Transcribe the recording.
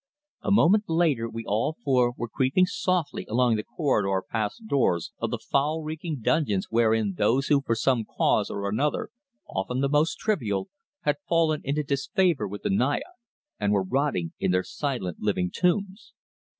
A moment later we all four were creeping softly along the corridor past doors of the foul reeking dungeons wherein those who for some cause or another, often the most trivial, had fallen into disfavour with the Naya and were rotting in their silent living tombs.